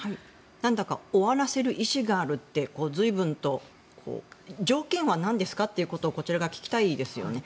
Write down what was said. なんだか終わらせる意思があるって随分と条件はなんですかってことをこちらが聞きたいですよね。